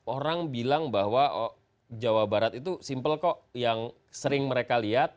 orang bilang bahwa jawa barat itu simple kok yang sering mereka lihat